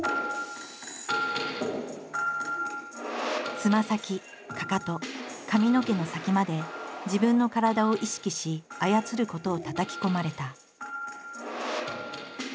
つま先かかと髪の毛の先まで自分の体を意識し操ることをたたき込まれた。